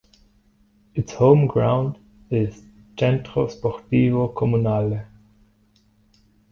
Its home ground is "Centro Sportivo Comunale".